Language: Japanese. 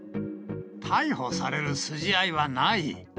逮捕される筋合いはない。